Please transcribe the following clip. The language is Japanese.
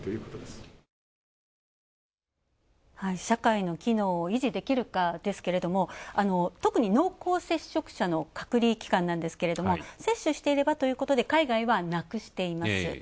社会の機能を維持できるかですけれども、特に濃厚接触者の隔離期間なんですけれども接種していればということで、海外はなくしています。